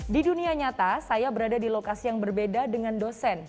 di dunia nyata saya berada di lokasi yang berbeda dengan dosen